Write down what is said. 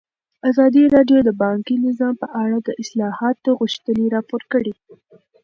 ازادي راډیو د بانکي نظام په اړه د اصلاحاتو غوښتنې راپور کړې.